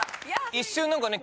一瞬何かね